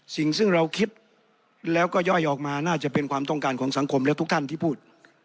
สิ่งซึ่งเราคิดแล้วก็ย่อยออกมาน่าจะเป็นความต้องการของสังคมและทุกท่านที่พูด